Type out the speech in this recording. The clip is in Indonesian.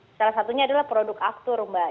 nah salah satunya adalah produk aktur mbak